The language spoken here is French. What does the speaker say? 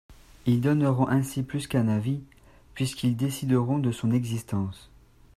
Ils donneront ainsi plus qu’un avis, puisqu’ils décideront de son existence.